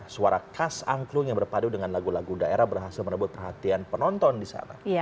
suara khas angklung yang berpadu dengan lagu lagu daerah berhasil merebut perhatian penonton di sana